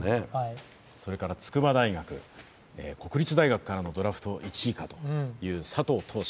それから筑波大学、国立大学からのドラフト１位かという佐藤投手。